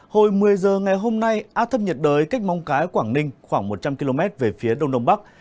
hồi một mươi giờ ngày hôm nay áp thấp nhiệt đới cách mong cái quảng ninh khoảng một trăm linh km về phía đông đông bắc